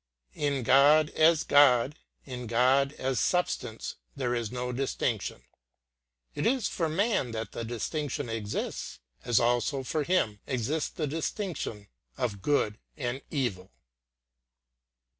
In God as God, in God as substance, there is no distinction. It is for man that the distinction exists, as also for him exists the distinction of good and evil.